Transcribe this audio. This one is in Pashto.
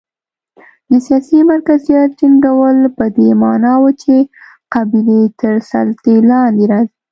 د سیاسي مرکزیت ټینګول په دې معنا و چې قبیلې تر سلطې لاندې راځي.